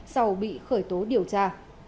sau bị khởi tố điều tra